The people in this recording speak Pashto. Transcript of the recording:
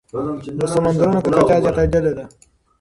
د سمندرونو ککړتیا زیاتېدلې ده.